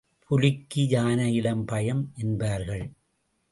புலிக்கு, யானையிடம் பயம் என்பார்கள்.